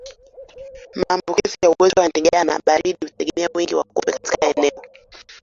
Maambukizi ya ugonjwa wa ndigana baridi hutegemea wingi wa kupe katika eneo